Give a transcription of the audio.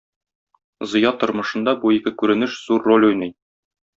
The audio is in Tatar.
Зыя тормышында бу ике күренеш зур роль уйный.